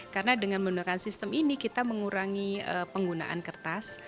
karena dengan menggunakan sistem ini kita mengurangi penggunaan kertas